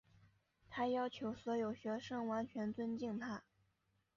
她要求所有学生完全尊敬她。